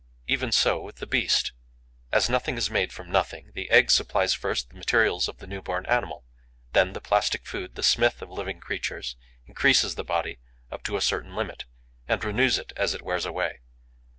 Even so with the beast. As nothing is made from nothing, the egg supplies first the materials of the new born animal; then the plastic food, the smith of living creatures, increases the body, up to a certain limit, and renews it as it wears away.